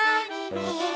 へえ。